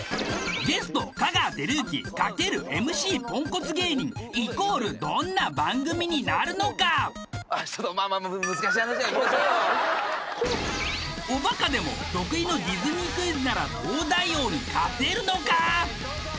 ゲスト香川照之×ＭＣポンコツ芸人イコールどんな番組になるのかちょっとまあまあまあおバカでも得意のディズニークイズなら東大王に勝てるのか？